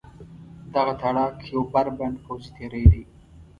دغه تاړاک یو بربنډ پوځي تېری دی.